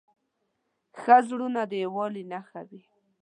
ښه زړونه د یووالي نښه وي.